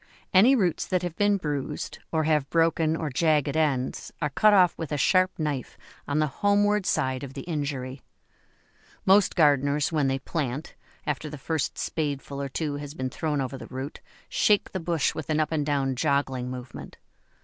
Any roots that have been bruised, or have broken or jagged ends, are cut off with a sharp knife on the homeward side of the injury. Most gardeners when they plant, after the first spadeful or two has been thrown over the root, shake the bush with an up and down joggling movement.